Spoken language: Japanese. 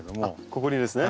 ここにですね。